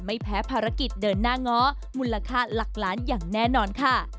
ไม่แพ้ภารกิจเดินหน้าง้อมูลค่าหลักล้านอย่างแน่นอนค่ะ